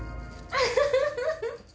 アハハハ！